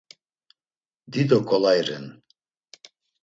Dido ǩolai ren.